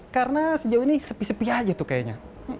karena sejauh ini sepi sepi aja tuh kayaknya